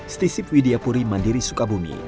stisip widya puri mandiri sukabumi